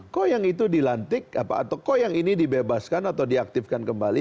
kok yang ini dibebaskan atau diaktifkan kembali